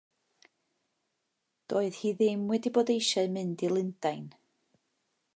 Doedd hi ddim wedi bod eisiau mynd i Lundain.